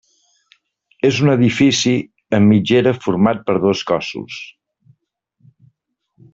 És un edifici amb mitgera format per dos cossos.